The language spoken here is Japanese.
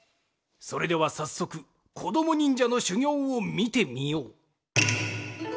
それではさっそくこどもにんじゃのしゅぎょうをみてみよう。